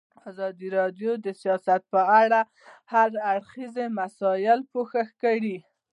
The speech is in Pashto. ازادي راډیو د سیاست په اړه د هر اړخیزو مسایلو پوښښ کړی.